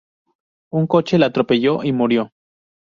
Un coche la atropelló y murió.